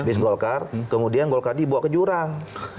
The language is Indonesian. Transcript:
habis golkar kemudian golkar dibawa ke jurang